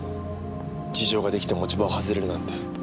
事情が出来て持ち場を外れるなんて。